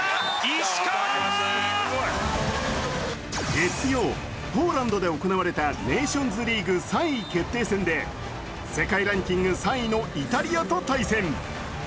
月曜、ポーランドで行われたネーションズリーグ３位決定戦で世界ランキング３位のイタリアと対戦。